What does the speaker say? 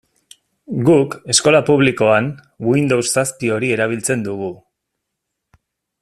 Guk, eskola publikoan, Windows zazpi hori erabiltzen dugu.